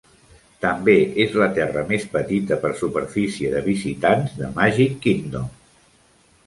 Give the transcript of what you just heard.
També és la terra més petita, per superfície de visitants, de Magic Kingdom.